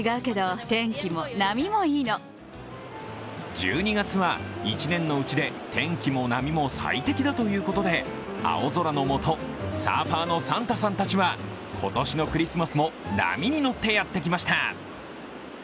１２月は１年のうちで天気も波も最適だということで青空のもと、サーファーのサンタさんたちは今年のクリスマスも波に乗ってやってきました。